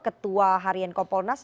ketua harian kompolnas